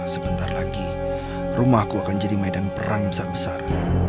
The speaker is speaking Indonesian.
sebentar lagi rumah aku akan jadi medan perang besar besar